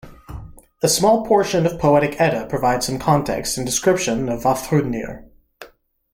A small portion of Poetic Edda provides some context and description of Vafthrudnir.